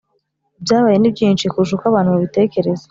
ibyabaye ni byinshi kurusha uko abantu babitekereza.